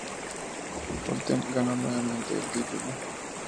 Pölten ganó nuevamente el título.